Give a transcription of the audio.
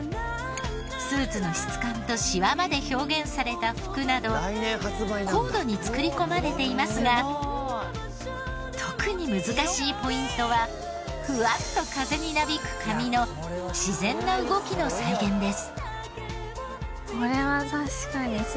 スーツの質感とシワまで表現された服など高度に作り込まれていますが特に難しいポイントはふわっと風になびく髪の自然な動きの再現です。